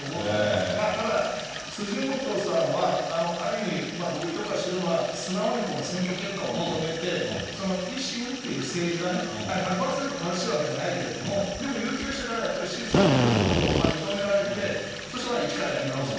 でもただ、辻元さんは、ある意味、僕評価しているのは、素直に選挙結果を認めて、その維新っていう政治がね、１００％正しいわけじゃないけれども、でも有権者からやっぱり支持されてるということを認められて、そして一からやり直すと。